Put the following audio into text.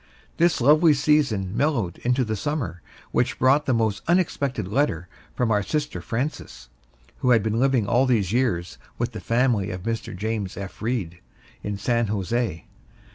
This lovely season mellowed into the Summer which brought a most unexpected letter from our sister Frances, who had been living all these years with the family of Mr. James F. Reed, in San Jose.